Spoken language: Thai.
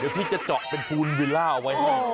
เดี๋ยวพี่จะเจาะเป็นภูนวิลล่าเอาไว้ให้